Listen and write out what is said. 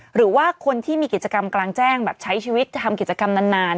หรือว่าคนที่มีกิจกรรมกลางแจ้งแบบใช้ชีวิตทำกิจกรรมนาน